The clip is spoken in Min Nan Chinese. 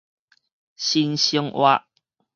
新生活